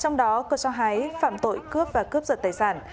trong đó cơ cho hái phạm tội cướp và cướp giật tài sản